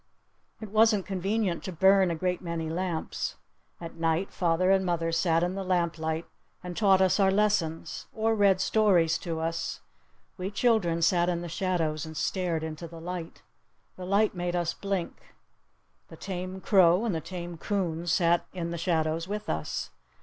It wasn't convenient to burn a great many lamps. At night father and mother sat in the lamplight and taught us our lessons. Or read stories to us. We children sat in the shadows and stared into the light. The light made us blink. The tame crow and the tame coon sat in the shadows with us.